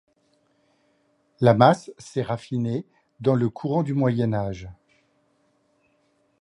La masse s'est raffinée dans le courant du Moyen Âge.